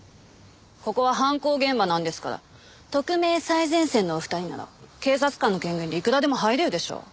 ここは犯行現場なんですから特命最前線のお二人なら警察官の権限でいくらでも入れるでしょう。